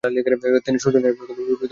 তিনি সূর্য সেন এর বিপ্লবী দলের সদস্য ছিলেন।